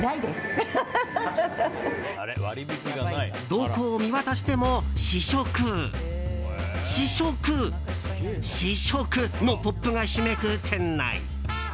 どこを見渡しても試食、試食試食のポップがひしめく店内。